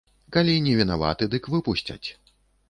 Калі невінаваты, дык выпусцяць.